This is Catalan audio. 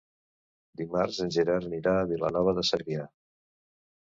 Dimarts en Gerard anirà a Vilanova de Segrià.